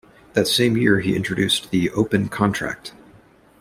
That same year he introduced the "open contract".